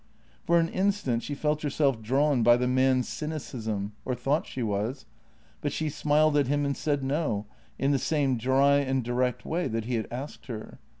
For an instant she felt herself drawn by the man's cynicism — or thought she was — but she smiled at him and said " no " in the same dry and direct way that he had asked her.